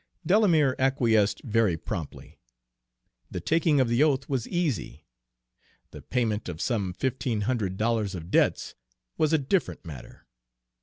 Delamere acquiesced very promptly. The taking of the oath was easy. The payment of some fifteen hundred dollars of debts was a different matter.